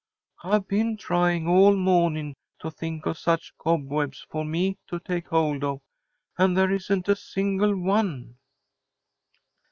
I've been trying all mawning to think of some such cobwebs for me to take hold of, and there isn't a single one."